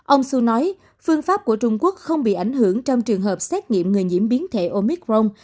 ông su nói phương pháp của trung quốc không bị ảnh hưởng trong trường hợp xét nghiệm người nhiễm biến thể omicron